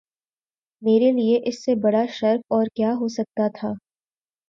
میرے لیے اس سے بڑا شرف اور کیا ہو سکتا تھا